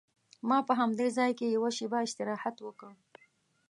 ما په همدې ځای کې یوه شېبه استراحت وکړ.